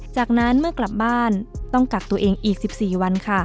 จากนั้นเมื่อกลับบ้านต้องกักตัวเองอีก๑๔วันค่ะ